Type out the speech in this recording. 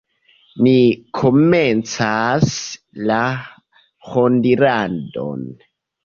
Ni komencas la rondiradon.